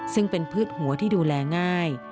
ซึ่งเป็นพืชหัวที่ดูแลง่าย